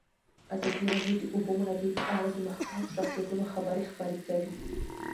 ازادي راډیو د د اوبو منابع په اړه د مخکښو شخصیتونو خبرې خپرې کړي.